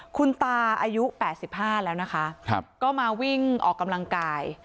คุณตาอายุ๘๕แล้วนะคะก็มาวิ่งออกกำลังกาย